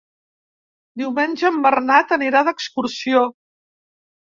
Diumenge en Bernat anirà d'excursió.